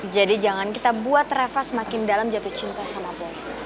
jadi jangan kita buat reva semakin dalam jatuh cinta sama boy